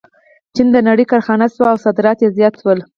چین د نړۍ کارخانه شوه او صادرات یې زیات شول.